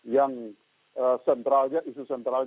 yang sentralnya isu sentralnya